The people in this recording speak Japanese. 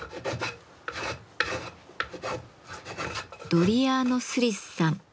ドリアーノ・スリスさん。